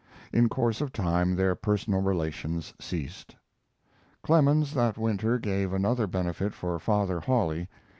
In course of time their personal relations ceased. Clemens that winter gave another benefit for Father Hawley.